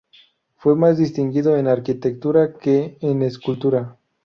Fue más distinguido en arquitectura que en escultura.